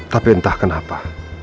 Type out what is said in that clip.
tapi entah kenapa